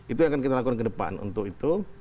itu yang akan kita lakukan kedepan untuk itu